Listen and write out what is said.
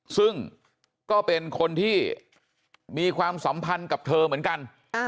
ซึ่งก็เป็นคนที่มีความสัมพันธ์กับเธอเหมือนกัน